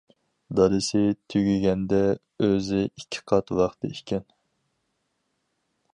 دادىسى تۈگىگەندە ئۆزى ئىككىقات ۋاقتى ئىكەن.